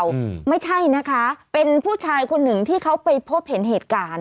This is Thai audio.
อืมไม่ใช่นะคะเป็นผู้ชายคนหนึ่งที่เขาไปพบเห็นเหตุการณ์